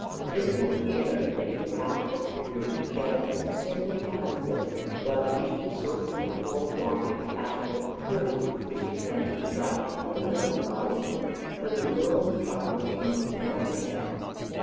This morning he had undertaken to pasture the three groups together in a single paddock field while he should assort from the full flock a detachment of forty which he planned to drive to Boone Lake the following morning for the rural metropolis' monthly market day.